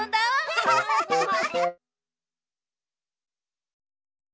アハハハ！